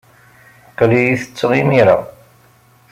Aql-iyi ttetteɣ imir-a.